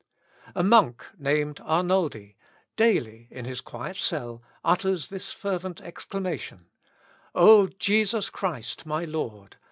A monk named Arnoldi, daily in his quiet cell utters this fervent exclamation, "O Jesus Christ my Lord!